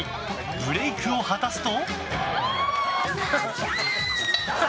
ブレークを果たすと。